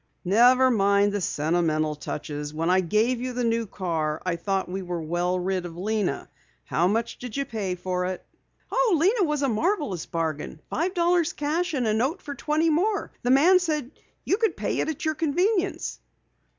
"Never mind the sentimental touches. When I gave you the new car I thought we were well rid of Lena. How much did you pay for it?" "Oh, Lena was a marvelous bargain. Five dollars cash and a note for twenty more. The man said you could pay for it at your convenience."